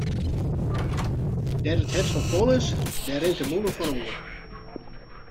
Dêr't it hert fol fan is, dêr rint de mûle fan oer.